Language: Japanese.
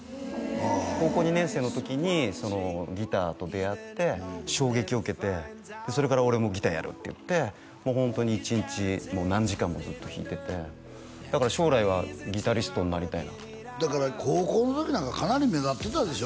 あ高校２年生の時にギターと出会って衝撃を受けてそれから俺もギターやるって言ってホントに一日何時間もずっと弾いててだから将来はギタリストになりたいなってだから高校の時なんかかなり目立ってたでしょ？